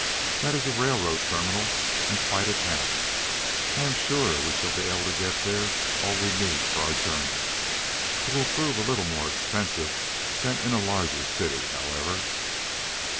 That is a railroad terminal and quite a town. I am sure we shall be able to get there all we need for our journey. It will prove a little more expensive than in a larger city, however."